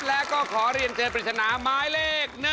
แล้วก็ขอเรียนเจนประชนะไม้เลข๑